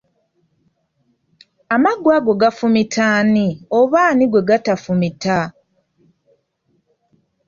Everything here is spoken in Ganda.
Amaggwa ago gafumita ani oba ani gwe gatafumita?